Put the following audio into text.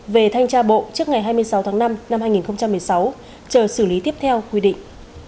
về thanh tra bộ trước ngày hai mươi sáu tháng năm năm hai nghìn một mươi sáu chờ xử lý tiếp theo quy định